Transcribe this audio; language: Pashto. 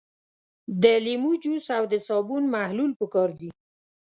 د لیمو جوس او د صابون محلول پکار دي.